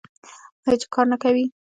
آیا چې کار نه کوي؟